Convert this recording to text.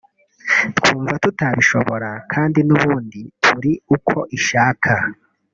twumva tutabishobora kandi n’ubundi turi uko ishaka